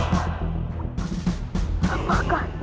kenapa aku tidak bisa menggunakan ilmu